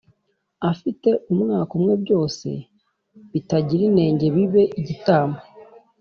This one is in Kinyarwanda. afite umwaka umwe byose bitagira inenge bibe igitambo